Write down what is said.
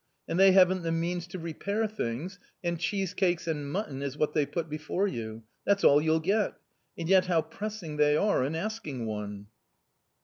And they haven't the means to repair things, and cheesecakes and mutton is what they put before you — that's all you'll get ! And yet how pressing they are in asking one